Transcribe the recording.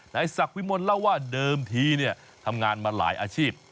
นายศักดิ์วิมลเล่าว่าเดิมทีทำงานมาหลายอาชีพ